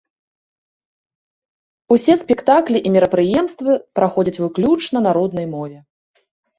Усе спектаклі і мерапрыемствы праходзяць выключна на роднай мове.